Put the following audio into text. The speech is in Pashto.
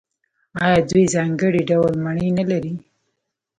آیا دوی ځانګړي ډول مڼې نلري؟